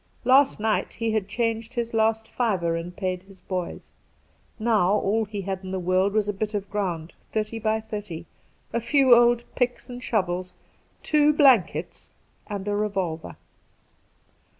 Last night he had changed his last fiver and paid his boys. Now all he had in the world was a bit of ground (thirty by thirty), a few old picks and shovels, two blankets, and a revolver.